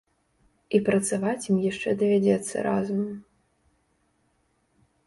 І працаваць ім яшчэ давядзецца разам.